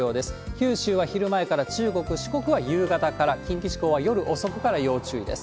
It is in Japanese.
九州は昼前から、中国、四国は夕方から、近畿地方は夜遅くから要注意です。